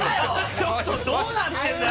ちょっとどうなってんだよ